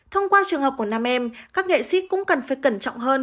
thông qua trường học của nam em các nghệ sĩ cũng cần phải cẩn trọng hơn